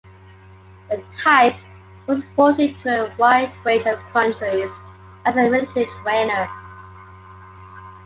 The type was exported to a wide range of countries as a military trainer.